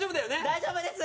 大丈夫です！